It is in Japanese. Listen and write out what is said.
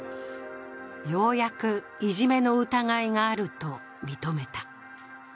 ようやくいじめの疑いがあると認めた。